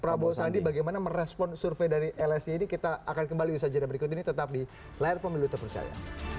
prabowo sandi bagaimana merespon survei dari lsi ini kita akan kembali usaha jadwal berikut ini tetap di layar pemilu terpercaya